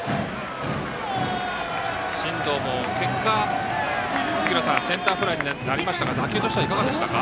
進藤も結果センターフライになりましたが打球としては、いかがでしたか？